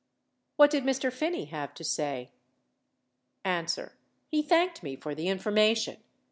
What did Mr. Phinney have to say ? A. He thanked me for the information.